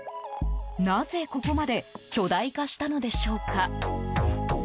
なぜ、ここまで巨大化したのでしょうか。